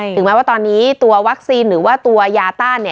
ถึงแม้ว่าตอนนี้ตัววัคซีนหรือว่าตัวยาต้าน